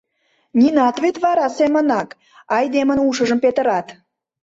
Нинат вет вера семынак айдемын ушыжым петырат.